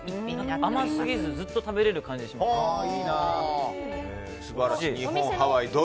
甘すぎずずっと食べられる感じします。